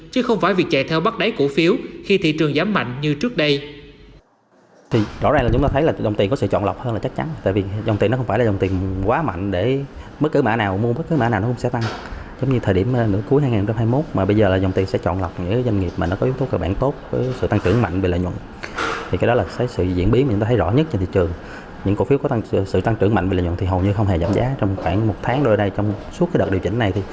chứ không phải việc chạy theo bắt đáy cổ phiếu khi thị trường giảm mạnh như trước đây